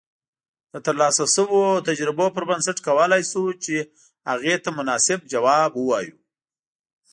د ترلاسه شويو تجربو پر بنسټ کولای شو چې هغې ته مناسب جواب اوایو